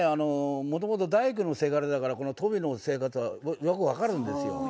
もともと大工のせがれだから鳶の生活はよく分かるんですよ。